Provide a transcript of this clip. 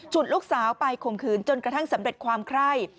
ลูกสาวไปข่มขืนจนกระทั่งสำเร็จความไคร่